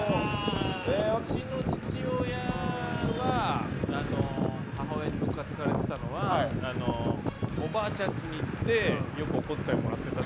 うちの父親が母親にムカつかれていたのはおばあちゃんちに行ってよくお小遣いをもらってた。